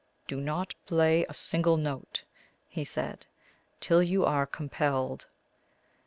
"Do not play a single note," he said, "till you are compelled."